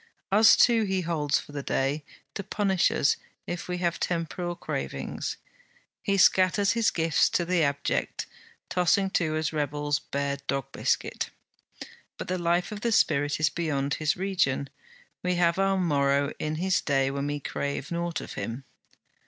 Us too he holds for the day, to punish us if we have temporal cravings. He scatters his gifts to the abject; tossing to us rebels bare dog biscuit. But the life of the spirit is beyond his region; we have our morrow in his day when we crave nought of him.